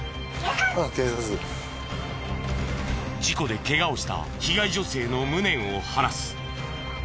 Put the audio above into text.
事故でケガをした被害女性の無念を晴らす。